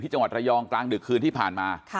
ที่จังหวัดระยองกลางดึกครั้งคืนที่ผ่านมา